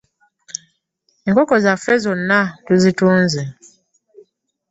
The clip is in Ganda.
Enkoko zaffe znna tuzitunze.